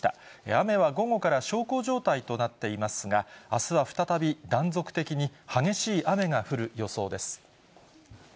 雨は午後から小康状態となっていますが、あすは再び断続的に激しい雨が降る予想です。